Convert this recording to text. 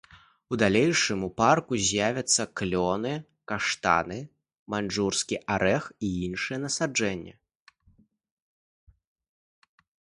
У далейшым у парку з'явяцца клёны, каштаны, маньчжурскі арэх, іншыя насаджэнні.